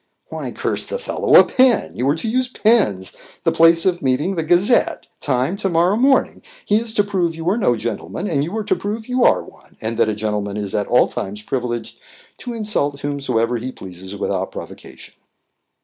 "Why, curse the fellow, a pen! You are to use pens the place of meeting, the Gazette time, to morrow morning. He is to prove you are no gentleman, and you are to prove you are one, and that a gentleman is at all times privileged to insult whomsoever he pleases without provocation."